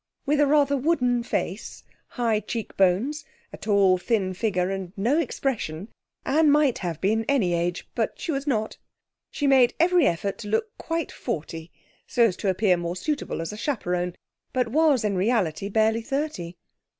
With a rather wooden face, high cheek bones, a tall, thin figure, and no expression, Anne might have been any age; but she was not. She made every effort to look quite forty so as to appear more suitable as a chaperone, but was in reality barely thirty.